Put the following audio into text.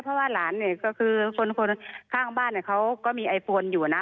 เพราะว่าหลานเนี่ยก็คือคนข้างบ้านเขาก็มีไอโฟนอยู่นะ